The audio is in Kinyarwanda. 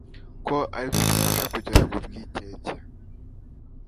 ko ari byo byabafasha kugera ku bwigenge